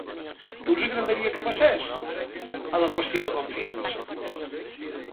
Què us agradaria que passés a la qüestió de confiança?